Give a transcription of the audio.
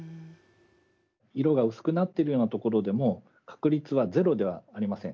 色が薄くなっているようなところでも確率はゼロではありません。